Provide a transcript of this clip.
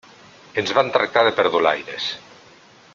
Ens va tractar de perdulaires.